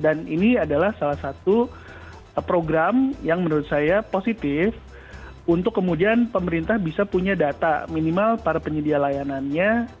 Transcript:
dan ini adalah salah satu program yang menurut saya positif untuk kemudian pemerintah bisa punya data minimal para penyedia layanannya